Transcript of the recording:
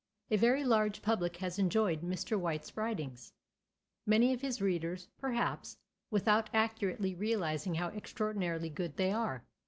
A very large public has enjoyed Mr. White's writings—many of his readers, perhaps, without accurately realizing how extraordinarily good they are.